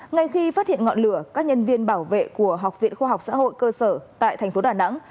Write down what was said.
ngay khi phát hiện ngọn lửa các nhân viên bảo vệ của học viện khoa học xã hội cơ sở tại thành phố đà nẵng